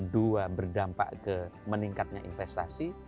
dua berdampak ke meningkatnya investasi